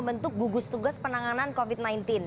membentuk gugus tugas penanganan covid sembilan belas